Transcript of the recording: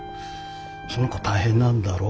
その子大変なんだろ？」